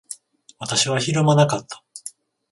私はひるまなかった。